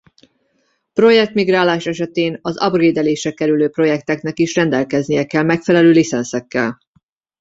Projekt-migrálás esetén az upgrade-elésre kerülő projektnek is rendelkeznie kell megfelelő licencekkel.